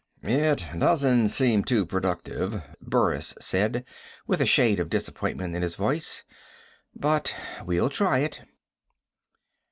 "It doesn't seem too productive," Burris said, with a shade of disappointment in his voice, "but we'll try it."